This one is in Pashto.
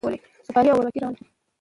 سوکالي او ولسواکي راولي.